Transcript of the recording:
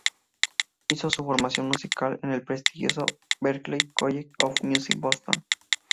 Hizo su formación musical en el prestigioso Berklee College of Music de Boston.